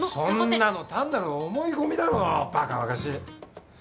そんなの単なる思い込みだろばかばかしい。